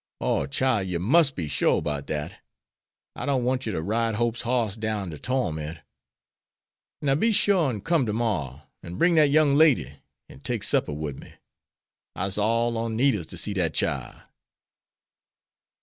"Oh, chile, yer mus' be shore 'bout dat. I don't want yer to ride hope's hoss down to torment. Now be shore an' come to morrer an' bring dat young lady, an' take supper wid me. I'se all on nettles to see dat chile."